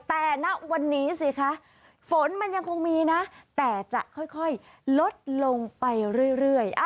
แต่ณวันนี้สิคะฝนมันยังคงมีนะแต่จะค่อยลดลงไปเรื่อย